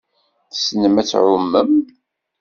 Tessnem ad tɛummem?